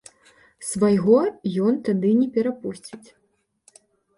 Свайго ён тады не перапусціць.